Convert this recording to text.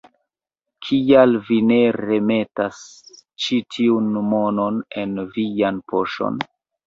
Kial vi ne remetas ĉi tiun monon en vian poŝon?